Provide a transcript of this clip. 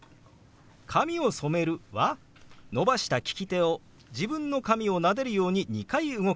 「髪を染める」は伸ばした利き手を自分の髪をなでるように２回動かします。